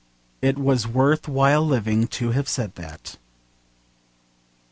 It was worth while living to have said that.